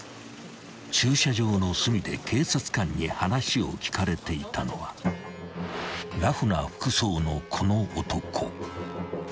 ［駐車場の隅で警察官に話を聞かれていたのはラフな服装のこの男］